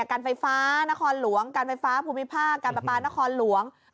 การไฟฟ้านครหลวงการไฟฟ้าภูมิภาคการประปานครหลวง